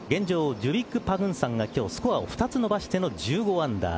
ジュビック・パグンサンが今日をスコアを２つ伸ばしての１５アンダー。